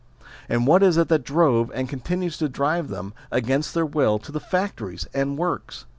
and what it is that drove, and continues to drive them, against their will, to the factories and works